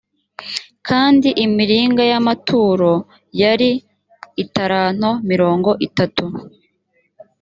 kandi imiringa y’amaturo yari italanto mirongo itatu